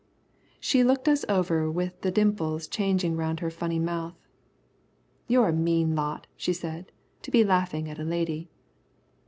She looked us over with the dimples changing around her funny mouth. "You are a mean lot," she said, "to be laughing at a lady."